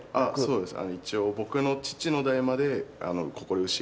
そうです。